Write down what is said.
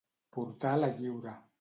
Portar la lliura.